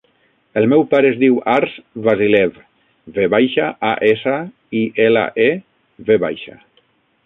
El meu pare es diu Arç Vasilev: ve baixa, a, essa, i, ela, e, ve baixa.